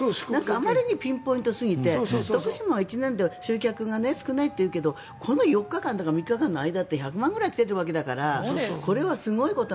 あまりにピンポイントすぎて徳島は１年で集客が少ないというけどこの４日間とか３日間の間で１００万くらい来てるわけだからこれはすごいこと。